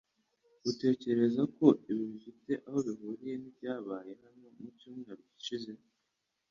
Utekereza ko ibi bifite aho bihuriye nibyabaye hano mucyumweru gishize?